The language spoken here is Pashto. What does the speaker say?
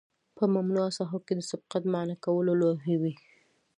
په ممنوعه ساحو کې د سبقت منع کولو لوحې وي